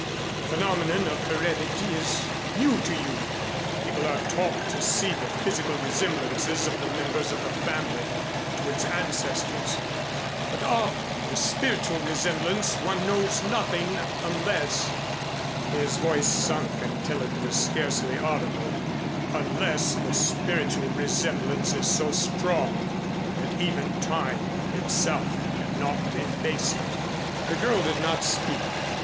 The phenomenon of heredity is new to you. People are taught to see the physical resemblances of the members of a family to its ancestors but of the spiritual resemblance one knows nothing unless " his voice sunk until it was scarcely audible, "unless the spiritual resemblance is so strong that even Time itself cannot efface it." The girl did not speak.